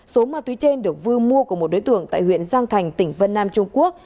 số ma túy trên được vui mua của một đối tượng tại huyện giang thành tỉnh vân nam trung quốc